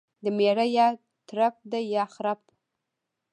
دميړه يا ترپ دى يا خرپ.